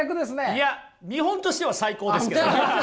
いや見本としては最高ですけどね！